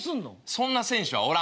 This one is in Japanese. そんな選手はおらん。